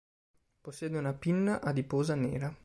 Possiede una pinna adiposa nera.